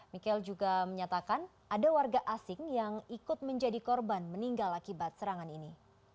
mikeel juga menyatakan ada warga asing yang ikut menjadi korban meninggal akibat serangan ini